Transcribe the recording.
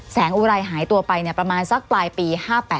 แสงอุไรหายตัวไปเนี่ยประมาณสักปลายปี๕๘